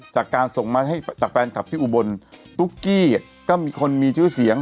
จากการส่งมาให้จากแฟนคลับที่อุบลตุ๊กกี้ก็มีคนมีชื่อเสียง